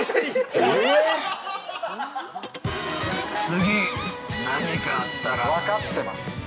◆次、何かあったら◆分かってます！